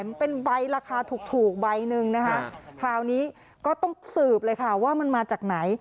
มันเป็นใบราคาถูกถูกใบหนึ่งนะคะคราวนี้ก็ต้องสืบเลยค่ะว่ามันมาจากไหน